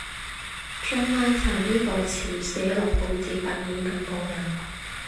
將拉柴呢個詞寫落報紙版面咁過癮